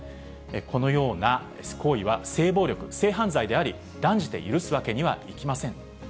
このような行為は性暴力、性犯罪であり、断じて許すわけにはいきません。